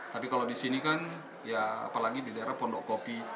tapi kalau di sini kan ya apalagi di daerah pondok kopi